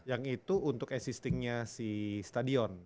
yang itu untuk existingnya si stadion